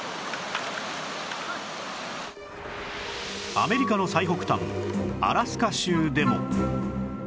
アメリカの最北端アラスカ州でも